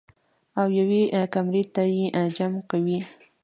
او يوې کمرې ته ئې جمع کوي -